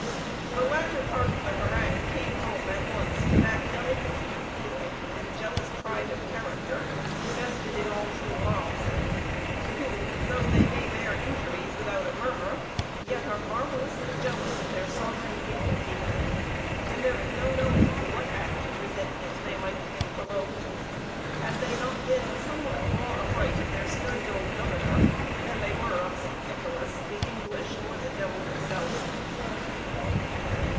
The latter part of the harangue came home at once to that delicacy of feeling and jealous pride of character vested in all true mobs; who, though they may bear injuries without a murmur, yet are marvelously jealous of their sovereign dignity; and there is no knowing to what act of resentment they might have been provoked, had they not been somewhat more afright of their sturdy old governor than they were of St. Nicholas, the English, or the d l himself.